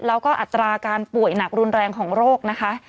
แล้วก็อัตราการป่วยหนักรุนแรงของโรคนะคะ